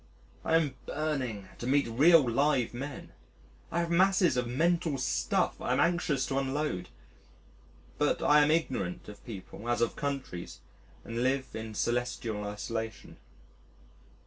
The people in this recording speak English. I am burning to meet real live men, I have masses of mental stuff I am anxious to unload. But I am ignorant of people as of countries and live in celestial isolation.